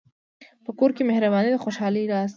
په کور کې مهرباني د خوشحالۍ راز دی.